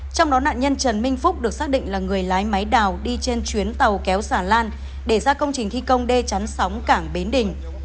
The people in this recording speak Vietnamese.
trong đó nạn nhân trần minh phúc được xác định là người lái máy đào đi trên chuyến tàu kéo xà lan để ra công trình thi công đê chắn sóng cảng bến đình